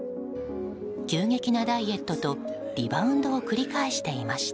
急激なダイエットとリバウンドを繰り返していました。